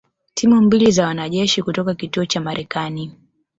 timu mbili za wanajeshi kutoka kituo cha Marekani